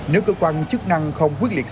nếu cơ quan chức năng không quyết liệt